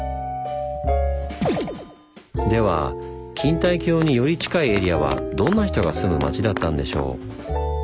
では錦帯橋により近いエリアはどんな人が住む町だったんでしょう？